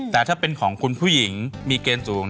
แต่ถ้าเป็นของคุณผู้หญิงมีเกณฑ์สูง